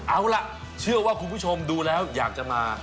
เอาล่ะเชื่อว่าคุณผู้ชมดูแล้วอยากจะมา